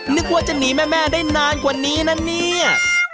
นึกว่าจะหนีแม่ได้นานกว่านี้นะเนี่ย